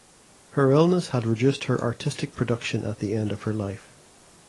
Her illness had reduced her artistic production at the end of her life.